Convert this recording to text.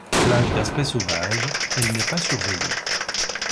Plage d'aspect sauvage, elle n'est pas surveillée.